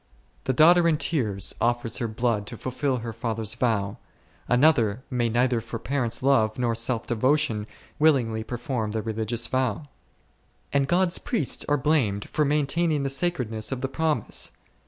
One daughter in tears offers her s Gen. xxi. 6. o— o 6 ©n ffiolv STtrgmttg blood to fulfil her father's vow ; another may neither for parent's love nor self devotion willingly perform the religious vow. And God's priests are blamed for maintaining the sacredness of the promise